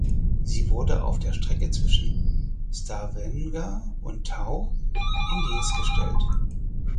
Sie wurde auf der Strecke zwischen Stavanger und Tau in Dienst gestellt.